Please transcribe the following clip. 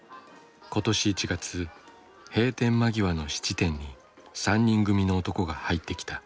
今年１月閉店間際の質店に３人組の男が入ってきた。